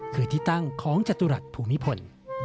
คือที่ตั้งของจตุรัสภูมิพล